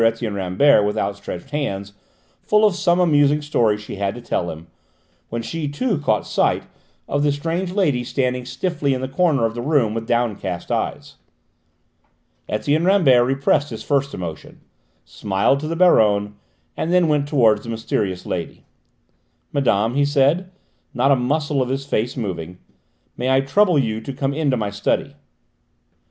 Etienne Rambert with outstretched hands, full of some amusing story she had to tell him, when she too caught sight of the strange lady standing stiffly in the corner of the room, with downcast eyes. Etienne Rambert repressed his first emotion, smiled to the Baronne, and then went towards the mysterious lady. "Madame," he said, not a muscle of his face moving, "may I trouble you to come into my study?"